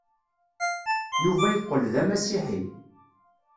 Yuba yeqqel d amasiḥi.